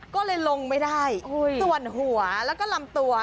ก็เลยลงไม่ได้ส่วนหัวแล้วก็ลำตัว